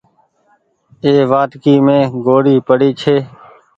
اي وآٽڪي مين ڳوڙي پري ڇي۔